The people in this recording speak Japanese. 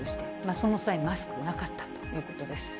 その際、マスクはなかったということです。